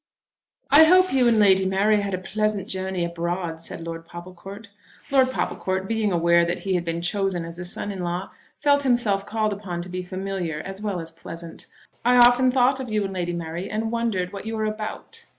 "I hope you and Lady Mary had a pleasant journey abroad," said Lord Popplecourt. Lord Popplecourt, being aware that he had been chosen as a son in law, felt himself called upon to be familiar as well as pleasant. "I often thought of you and Lady Mary, and wondered what you were about."